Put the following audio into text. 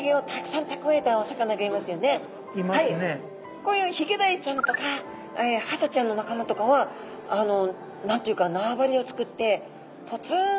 こういうヒゲダイちゃんとかハタちゃんの仲間とかは何て言うか縄張りをつくってふん。